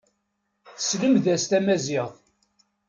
Tesselmed-as tamaziɣt.